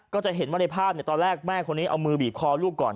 ก็จะเห็นว่าในภาพตอนแรกแม่คนนี้เอามือบีบคอลูกก่อน